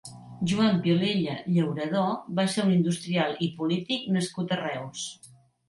Joan Vilella Llauradó va ser un industrial i polític nascut a Reus.